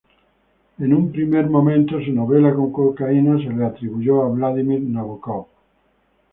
En un primer momento, su "Novela con cocaína" se le atribuyó a Vladímir Nabókov.